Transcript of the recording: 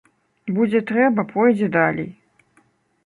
Будзе трэба, пойдзе далей.